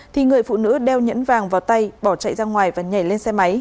thì người phụ nữ đeo nhẫn vàng vào tay bỏ chạy ra ngoài và nhảy lên xe máy